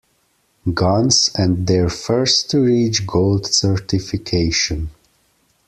Guns, and their first to reach gold certification.